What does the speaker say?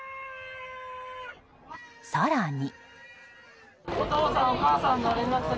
更に。